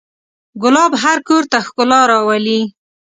ګلاب هر کور ته ښکلا راولي.